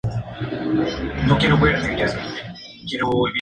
El iris es naranja amarillento.